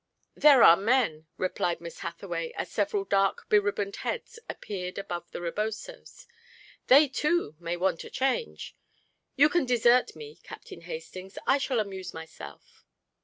"There are men," replied Miss Hathaway, as several dark beribboned heads appeared above the rebosos. "They, too, may want a change. You can desert me, Captain Hastings. I shall amuse myself."